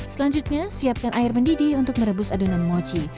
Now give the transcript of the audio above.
selanjutnya siapkan air mendidih untuk merebus adonan mochi